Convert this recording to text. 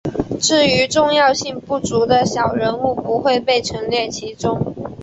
至于重要性不足的小人物不会被陈列其中。